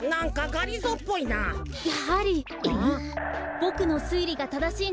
ボクのすいりがただしいなら